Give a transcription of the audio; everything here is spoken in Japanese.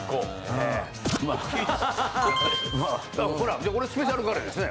ほらこれスペシャルカレーですね。